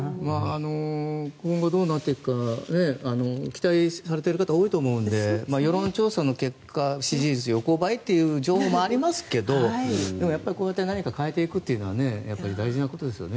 今後どうなっていくか期待されている方が多いと思うので世論調査の結果支持率横ばいという情報もありますけどでも、やっぱり何か変えていくというのは大事なことですよね。